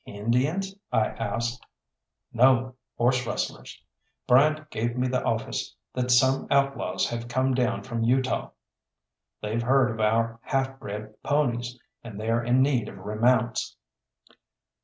"Indians?" I asked. "No, horse rustlers. Bryant gave me the office that some outlaws have come down from Utah. They've heard of our half bred ponies, and they're in need of remounts."